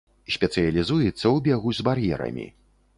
Спецыялізуецца ў бегу з бар'ерамі.